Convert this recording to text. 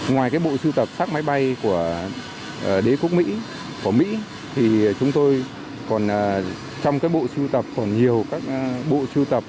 ngoài cái bộ sưu tập sát máy bay của đế quốc mỹ của mỹ thì chúng tôi còn trong cái bộ sưu tập còn nhiều các bộ sưu tập